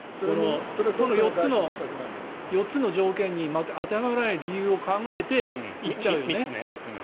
この４つの条件に当てはまらない理由を考えて行っちゃうよね。